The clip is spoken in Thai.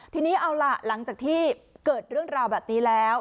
ทีนี้เอาล่ะหลังจากที่เกิดเรื่องราวแบบนี้แล้ว